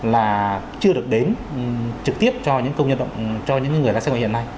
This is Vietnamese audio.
là chưa được đến trực tiếp cho những người lái xe ngoại hiện nay